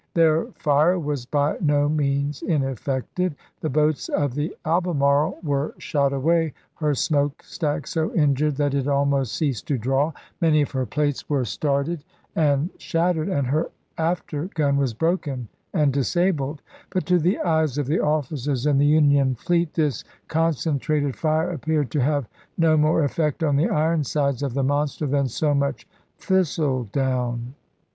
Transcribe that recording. Their fire was by juiy, 1888. no means ineffective ; the boats of the Albemarle were shot away, her smoke stack so injured that it almost ceased to draw, many of her plates were started and shattered, and her after gun was broken and disabled ; but to the eyes of the officers in the Union fleet, this concentrated fire appeared to have no more effect on the iron sides of the monster than so much thistle down.